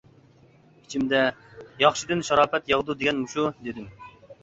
ئىچىمدە: «ياخشىدىن شاراپەت ياغىدۇ دېگەن مۇشۇ» دېدىم.